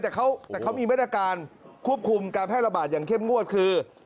แต่เขามีมาตรการควบคุมการแพร่ระบาดอย่างเข้มงวดคือ